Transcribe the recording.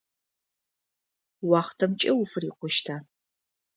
Уахътэмкӏэ уфырикъущта?